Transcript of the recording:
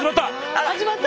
始まった！